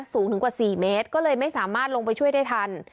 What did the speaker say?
สูงถึงกว่า๔เมตรก็เลยไม่สามารถลงไปช่วยได้ทัน